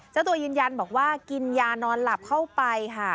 เจ้าตัวยืนยันบอกว่ากินยานอนหลับเข้าไปค่ะ